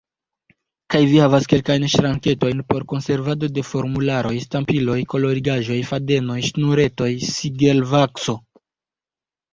Kaj vi havas kelkajn ŝranketojn por konservado de formularoj, stampiloj, kolorigaĵo, fadenoj, ŝnuretoj, sigelvakso.